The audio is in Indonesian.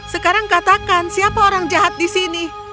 sekarang katakan siapa orang jahat di sini